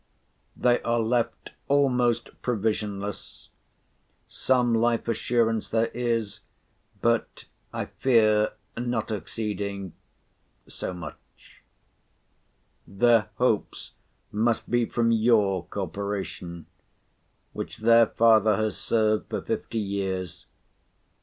They are left almost provisionless. Some life assurance there is; but, I fear, not exceeding ——. Their hopes must be from your Corporation, which their father has served for fifty years.